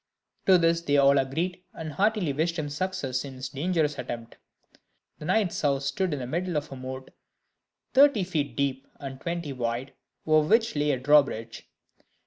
To this they all agreed, and heartily wished him success in his dangerous attempt. The knight's house stood in the middle of a moat, thirty feet deep and twenty wide, over which lay a drawbridge.